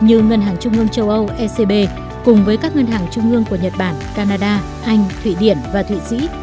như ngân hàng trung ương châu âu ecb cùng với các ngân hàng trung ương của nhật bản canada anh thụy điển và thụy sĩ